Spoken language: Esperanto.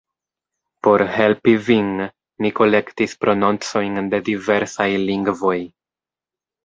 Por helpi vin, ni kolektis prononcojn de diversaj lingvoj.